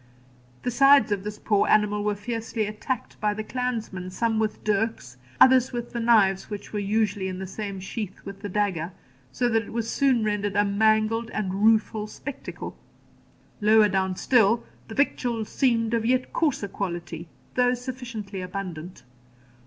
The sides of this poor animal were fiercely attacked by the clansmen, some with dirks, others with the knives which were usually in the same sheath with the dagger, so that it was soon rendered a mangled and rueful spectacle. Lower down still, the victuals seemed of yet coarser quality, though sufficiently abundant.